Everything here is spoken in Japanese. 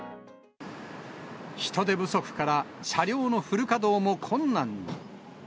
人手不足から、車両のフル稼働も困難に。